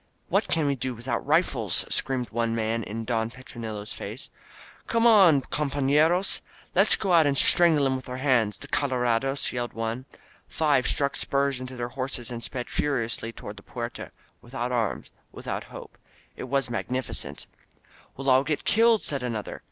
What can we do without rifles?" screamed one man in Don Petronilo's face. "Come on, compafleros! Let's go out and strangle 'em with our hands, the — coloradosF* yelled one. Five struck spurs into their horses, and sped furiously toward the Puerta — ^without arms, without hope. It was magnificent! "We'll aU get killed!" said another.